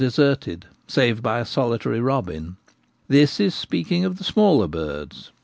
65 deserted save by a solitary robin. This is speaking of the smaller birds.